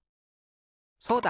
そうだ！